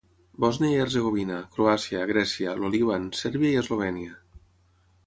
Bòsnia i Hercegovina, Croàcia, Grècia, el Líban, Sèrbia i Eslovènia.